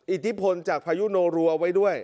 อิทธิพลจากพายุโนรัวไว้ด้วย